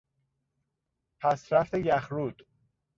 پسرفت یخرود